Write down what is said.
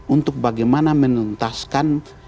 untuk bagaimana menuntaskan